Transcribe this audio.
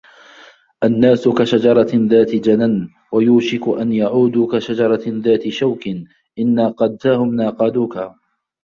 النَّاسُ كَشَجَرَةٍ ذَاتِ جَنًى وَيُوشِكُ أَنْ يَعُودُوا كَشَجَرَةٍ ذَاتِ شَوْكٍ إنْ نَاقَدْتَهُمْ نَاقَدُوكَ